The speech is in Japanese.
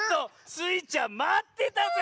スイちゃんまってたぜ！